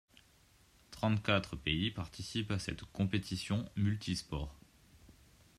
Trente-quatre pays participent à cette compétition multisports.